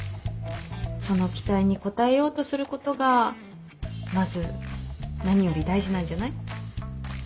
その期待に応えようとすることがまず何より大事なんじゃない？